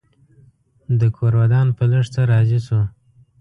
ده کور ودان په لږ څه راضي شو.